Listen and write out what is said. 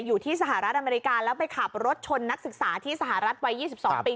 อยู่ที่สหรัฐอเมริกาแล้วไปขับรถชนนักศึกษาที่สหรัฐวัย๒๒ปี